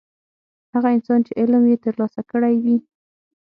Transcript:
هغه انسان چې علم یې ترلاسه کړی وي.